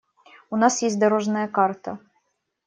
У нас есть дорожная карта.